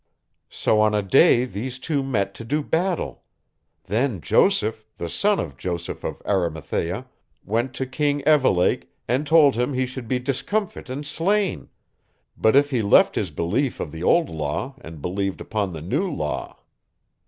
So on a day these two met to do battle. Then Joseph, the son of Joseph of Arimathea, went to King Evelake and told him he should be discomfit and slain, but if he left his belief of the old law and believed upon the new law.